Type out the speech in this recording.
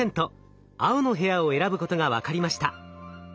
青の部屋を選ぶことが分かりました。